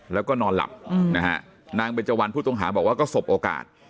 แล้วก็นอนหลับนะฮะนางเบนเจวันผู้ต้องหาบอกว่าก็สบโอกาส